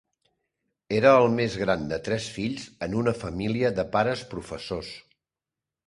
Era el més gran de tres fills en una família de pares professors.